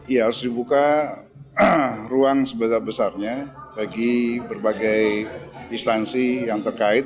ya harus dibuka ruang sebesar besarnya bagi berbagai instansi yang terkait